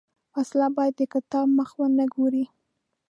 وسله باید د کتاب مخ ونه ګوري